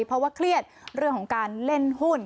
เพราะว่าเครียดเรื่องของการเล่นหุ้น